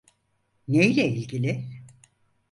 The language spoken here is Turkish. Neyle ilgili?